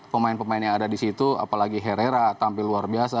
pemain pemain yang ada di situ apalagi herrera tampil luar biasa